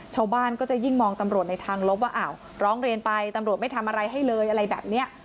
ชาวบ้านก็จะยิ่งมองตำรวจในทางลบว่าอ้าวร้องเรียนไปตำรวจไม่ทำอะไรให้เลยอะไรแบบนี้